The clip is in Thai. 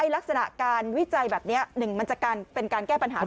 ลักษณะการวิจัยแบบนี้หนึ่งมันจะเป็นการแก้ปัญหา